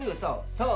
そう